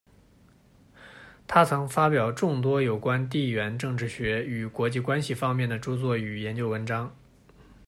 他曾发表众多有关地缘政治学与国际关系方面的着作与研究文章。